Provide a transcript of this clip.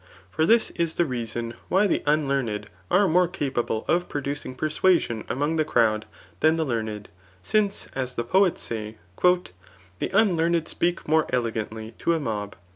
For this is the leuon why:the unldaraed aie mose capable, of prodttdi^ persuasiiHi among the cfovd, than the karned, since as the poets say; *^ The unkamrd ^peak more eiegmitiy to a mob.''